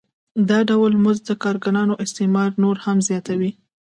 دا ډول مزد د کارګرانو استثمار نور هم زیاتوي